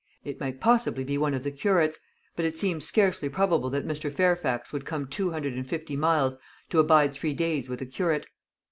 It might possibly be one of the curates; but it seemed scarcely probable that Mr. Fairfax would come two hundred and fifty miles to abide three days with a curate.